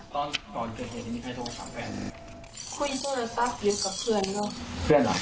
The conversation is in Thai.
หรอคุยโทรศัพท์อยู่กับเพื่อนเหรอ